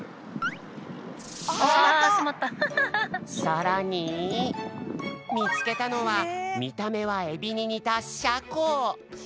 さらにみつけたのはみためはエビににたシャコ？